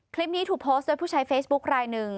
คลิปนี้ถูกโพสต์โดยผู้ใช้เฟซบุ๊คลายหนึ่ง